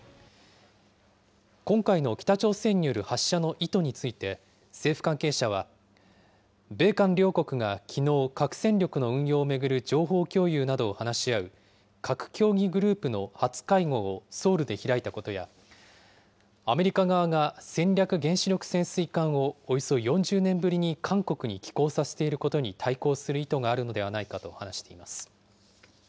今回の北朝鮮による発射の意図について、政府関係者は、米韓両国がきのう核戦力の運用を巡る情報共有などを話し合う、核協議グループの初会合をソウルで開いたことや、アメリカ側が戦略原子力潜水艦をおよそ４０年ぶりに韓国に寄港させていることに対抗する意図があるのではないかと話しています。